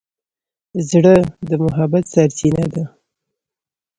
زړه د محبت سرچینه ده.